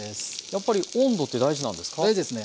やっぱり温度って大事なんですか？